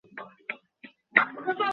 তুমি যথেষ্ট করেছ, ধন্যবাদ।